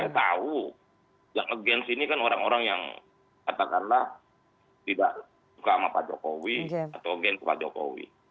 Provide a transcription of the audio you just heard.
itu yang agensi ini kan orang orang yang katakanlah tidak suka sama pak jokowi atau geng pak jokowi